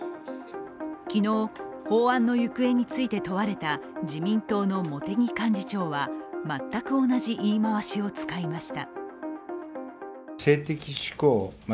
昨日、法案の行方について問われた自民党の茂木幹事長は全く同じ言い回しを使いました。